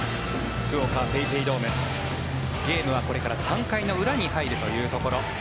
福岡ＰａｙＰａｙドームゲームはこれから３回の裏に入るというところ。